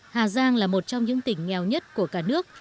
hà giang là một trong những tỉnh nghèo nhất của cả nước